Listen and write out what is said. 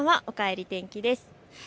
おかえり天気です。